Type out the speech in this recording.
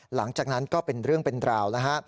หลังจากนั้นก็เป็นเรื่องเป็นราวแล้วฮะ